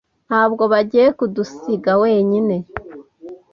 Ntabwo bagiye kudusiga wenyine.